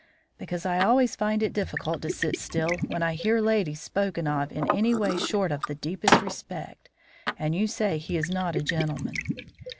"Because I always find it difficult to sit still when I hear ladies spoken of in any way short of the deepest respect; and you say he is not a gentleman."